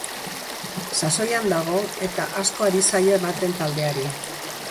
Sasoian dago eta asko ari zaio ematen taldeari.